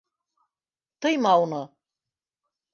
Тыйма уны!